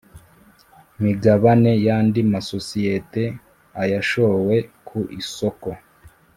migabane y andi masosiyete ayashowe ku isoko